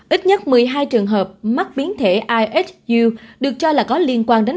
ít nhất một mươi hai trường hợp mắc biến thể isu được cho là có liên quan đến